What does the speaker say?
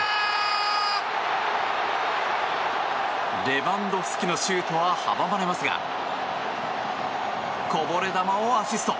レバンドフスキのシュートは阻まれますがこぼれ球をアシスト。